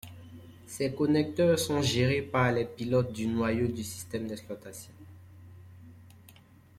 Ces connecteurs sont gérés par les pilotes du noyau du système d'exploitation.